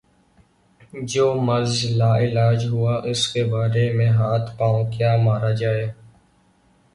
جو مرض لا علاج ہو اس کے بارے میں ہاتھ پاؤں کیا مارا جائے۔